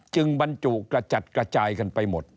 บรรจุกระจัดกระจายกันไปหมด